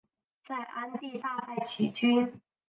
在鞍地大败齐军。